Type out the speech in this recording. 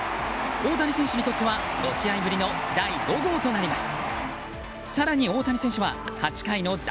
大谷選手にとっては５試合ぶりの第５号となります。